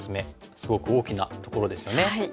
すごく大きなところですよね。